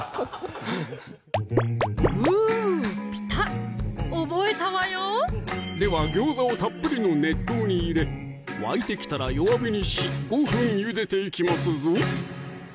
グーッピタッ覚えたわよでは餃子をたっぷりの熱湯に入れ沸いてきたら弱火にし５分ゆでていきますぞ